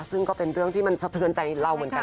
ซึ่งก็เป็นเรื่องที่มันสะเทือนใจเราเหมือนกัน